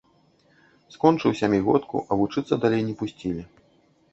Скончыў сямігодку, а вучыцца далей не пусцілі.